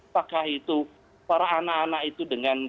apakah itu para anak anak itu dengan